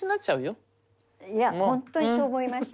いやホントにそう思いました。